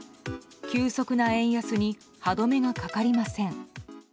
急速な円安に歯止めがかかりません。